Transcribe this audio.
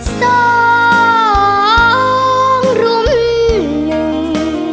สองรุมหนึ่ง